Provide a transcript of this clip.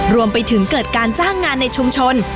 รวมไปถึงเกิดการจ้างงานในชุมชน